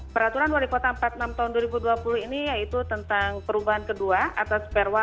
peraturan wali kota no empat puluh enam tahun dua ribu dua puluh ini yaitu tentang perubahan kedua atas perwa no tiga ratus tujuh puluh tiga